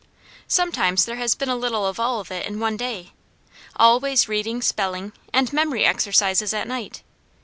Sometimes there has been a little of all of it in one day, always reading, spelling, and memory exercises at night.